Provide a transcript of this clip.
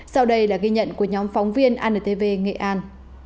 sau đây là ghi nhận của nhóm phóng viên antv nghệ an